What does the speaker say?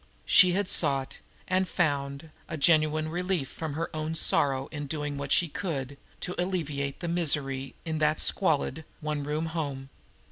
She had sought and found a genuine relief from her own sorrow in doing what she could to alleviate the misery in that squalid, one room home.